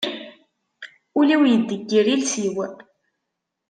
Ul-iw yeddeggir iles-iw.